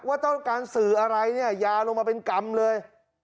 ว่าต้องการสื่ออะไรเนี่ยยาวลงมาเป็นกรรมเลย